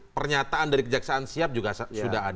pernyataan dari kejaksaan siap juga sudah ada